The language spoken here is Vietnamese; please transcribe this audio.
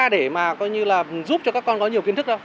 để mà coi như là giúp cho các con có nhiều kiến thức đâu